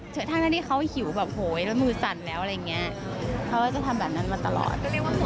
ทั้งที่เขาหิวแบบโหยแล้วมือสั่นแล้วอะไรอย่างนี้เขาก็จะทำแบบนั้นมาตลอด